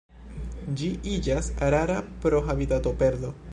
Ĝi iĝas rara pro habitatoperdo.